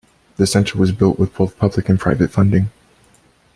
The center was built with both public and private funding.